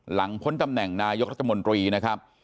พ้นตำแหน่งนายกรัฐมนตรีนะครับ